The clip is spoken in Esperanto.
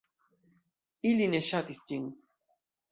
Ili ne ŝatis ĝin.